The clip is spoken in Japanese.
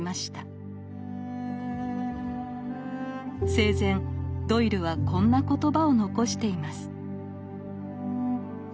生前ドイルはこんな言葉を残しています。